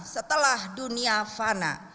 setelah dunia fana